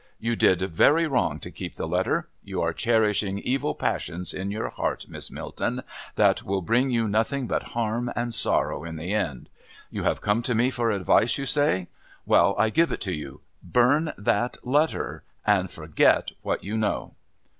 "You did very wrong to keep the letter. You are cherishing evil passions in your heart, Miss Milton, that will bring you nothing but harm and sorrow in the end. You have come to me for advice, you say. Well, I give it to you. Burn that letter and forget what you know."